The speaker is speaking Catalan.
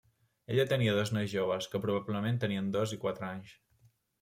Ella tenia dos nois joves, que probablement tenien dos i quatre anys.